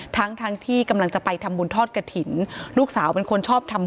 ทั้งทั้งที่กำลังจะไปทำบุญทอดกระถิ่นลูกสาวเป็นคนชอบทำ